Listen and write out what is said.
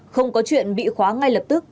không có chuyện bị khóa ngay lập tức